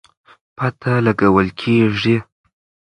پته لګول کېږي.